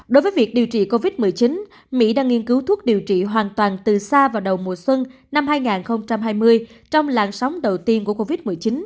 đối với việc điều trị covid một mươi chín mỹ đang nghiên cứu thuốc điều trị hoàn toàn từ xa vào đầu mùa xuân năm hai nghìn hai mươi trong làn sóng đầu tiên của covid một mươi chín